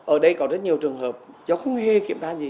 ở đây có rất nhiều trường hợp cháu không hề kiểm tra gì